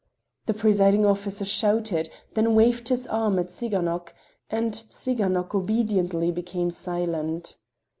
The presiding officer shouted—then waved his arm at Tsiganok, and Tsiganok obediently became silent.